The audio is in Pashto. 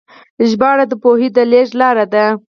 ژباړه د پوهې د لیږد لاره ده.